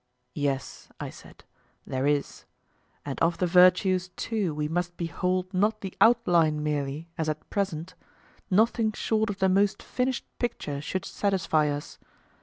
Yes, I said, there is. And of the virtues too we must behold not the outline merely, as at present—nothing short of the most finished picture should satisfy us.